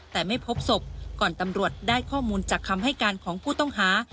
แต่ไม่พบศพก่อนตำรวจได้ข้อมูลจากคำให้การของผู้ต้องหา